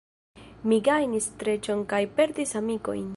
Mi gajnis streĉon kaj perdis amikojn.